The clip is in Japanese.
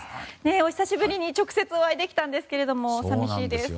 お久しぶりに直接お会いできたんですけど寂しいです。